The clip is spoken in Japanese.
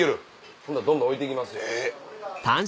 ほんならどんどん置いていきますよ。